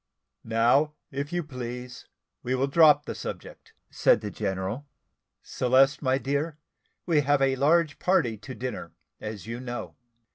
"Now, if you please we will drop the subject," said the general. "Celeste, my dear, we have a large party to dinner, as you know.